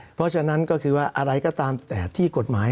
เพราะฉะนั้นก็คือว่าอะไรก็ตามแต่ที่กฎหมาย